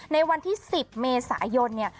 ในวันที่๑๐เมษายนเนี่ย